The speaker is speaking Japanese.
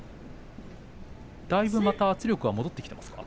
だいぶ圧力戻ってきていますか。